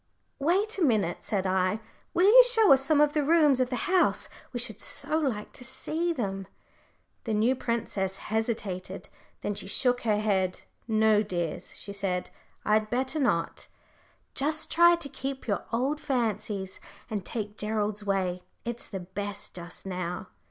"Wait a minute," said I; "will you show us some of the rooms of the house? We should so like to see them." The new princess hesitated. Then she shook her head. "No, dears," she said, "I'd better not. Just try to keep to your old fancies, and take Gerald's way: it's the best just now.